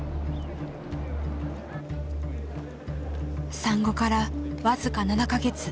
産後から僅か７か月。